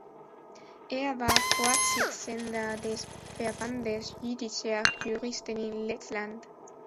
Er war Vorsitzender des Verbandes jüdischer Juristen in Lettland.